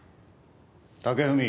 武文